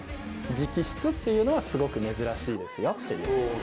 直筆っていうのはすごく珍しいですよっていう。